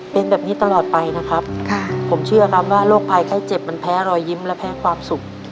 เป็นแบบนี้ตลอดไปนะครับค่ะผมเชื่อครับว่าโรคภัยไข้เจ็บมันแพ้รอยยิ้มและแพ้ความสุข